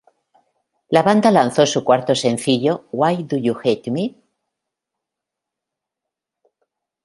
La banda lanzó su cuarto sencillo "Why Do You Hate Me?